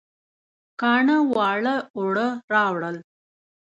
کاڼه واړه اوړه راوړل